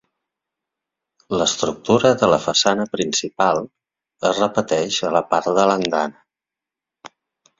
L'estructura de la façana principal es repeteix a la part de l'andana.